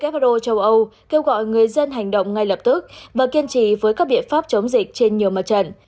who châu âu kêu gọi người dân hành động ngay lập tức và kiên trì với các biện pháp chống dịch trên nhiều mặt trận